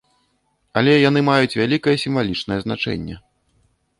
Але яны маюць вялікае сімвалічнае значэнне.